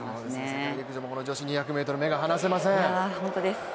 世界陸上女子２００ｍも目が離せません。